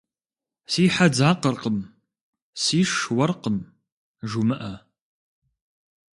Си хьэ дзакъэркъым, сиш уэркъым жумыӏэ.